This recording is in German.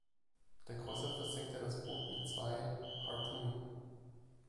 Der Kreuzer versenkte das Boot mit zwei "Harpoon".